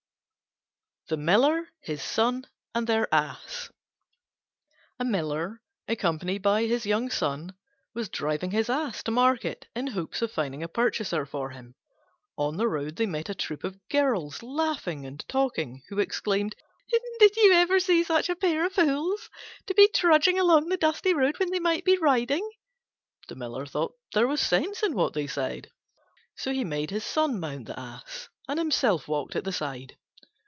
THE MILLER, HIS SON, AND THEIR ASS A Miller, accompanied by his young Son, was driving his Ass to market in hopes of finding a purchaser for him. On the road they met a troop of girls, laughing and talking, who exclaimed, "Did you ever see such a pair of fools? To be trudging along the dusty road when they might be riding!" The Miller thought there was sense in what they said; so he made his Son mount the Ass, and himself walked at the side.